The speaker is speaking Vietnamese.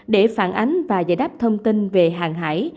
để phản ánh và giải đáp thông tin về hàng hải